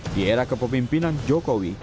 di era kepemimpinan jokowi